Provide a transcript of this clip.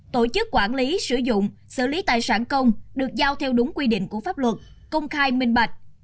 tổ chức quản lý sử dụng xử lý tài sản công được giao theo đúng quy định của pháp luật công khai minh bạch